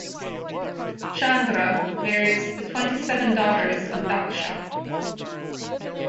Chandra marries the twenty-seven daughters of Daksha.